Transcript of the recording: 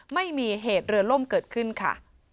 ไม่มีเหตุเรือล่มเกิดขึ้นค่ะ